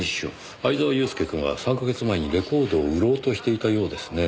藍沢祐介くんは３か月前にレコードを売ろうとしていたようですねぇ。